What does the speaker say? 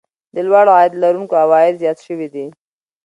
د لوړ عاید لرونکو عوايد زیات شوي دي